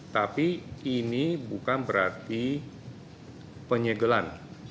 tapi ini bukan berarti penyegelan